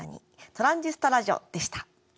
「トランジスタ・ラジオ」でした。